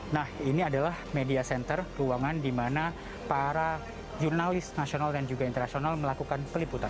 nah ini adalah media center ruangan di mana para jurnalis nasional dan juga internasional melakukan peliputan